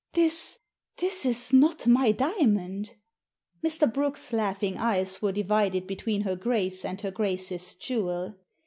" This — ^this is not my diamond." Mr. Brooke's laughing eyes were divided between her Grace and her Grace's jewel.